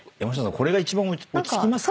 これが一番落ち着きますか？